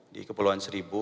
di kepulauan seribu